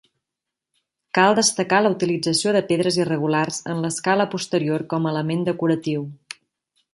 Cal destacar la utilització de pedres irregulars en l'escala posterior com a element decoratiu.